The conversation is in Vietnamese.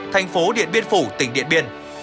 thành phố điện biên phủ tỉnh điện biên